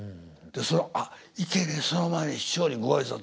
「あっいけねえその前に師匠にご挨拶」。